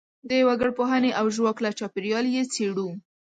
د وګړپوهنې او ژواک له چاپیریال یې څېړو.